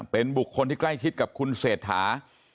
เป็นบุคคลที่ใกล้ชิดกับคุณเศรษฐา